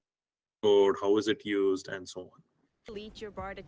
bagaimana penggunaannya dan sebagainya